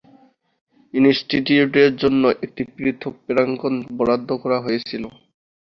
ইনস্টিটিউটের জন্য একটি পৃথক প্রাঙ্গণ বরাদ্দ করা হয়েছিল।